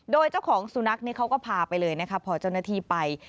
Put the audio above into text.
โดยเจ้าของสุนัขนี่เขาก็พาไปเลยนะคะพอเจ้าหน้าที่ไป